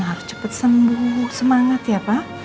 harus cepet sembuh semangat ya pa